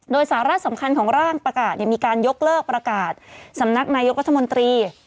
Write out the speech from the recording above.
โดยสาระสำคัญของร่างประกาศมีการยกเลิกประกาศสำนักนายกรัฐมนตรี